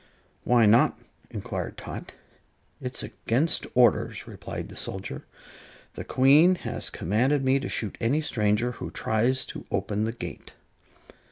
"Why not?" inquired Tot. "It's against orders," replied the soldier. "The Queen has commanded me to shoot any stranger who tries to open the gate."